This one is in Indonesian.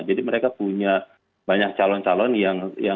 jadi mereka punya banyak calon calon yang sudah diperlukan